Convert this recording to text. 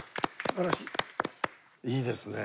いいですね。